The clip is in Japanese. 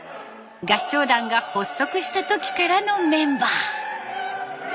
合唱団が発足した時からのメンバー。